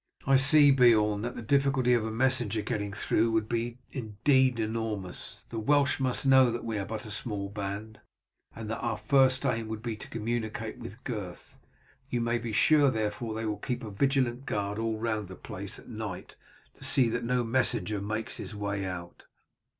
"I see, Beorn, that the difficulty of a messenger getting through would be indeed enormous; the Welsh must know that we are but a small band, and that our first aim would be to communicate with Gurth. You may be sure, therefore, that they will keep a vigilant guard all round the place at night to see that no messenger makes his way out.